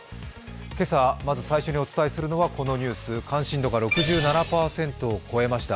今朝、まず最初にお伝えするのはこのニュース、関心度６７％を超えました。